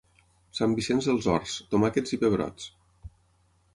Sant Vicenç dels Horts, tomàquets i pebrots.